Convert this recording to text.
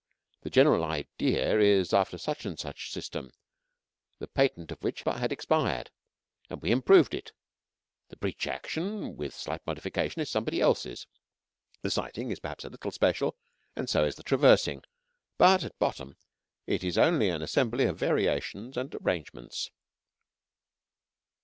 The general idea is after such and such system, the patent of which had expired, and we improved it; the breech action, with slight modification, is somebody else's; the sighting is perhaps a little special; and so is the traversing, but, at bottom, it is only an assembly of variations and arrangements."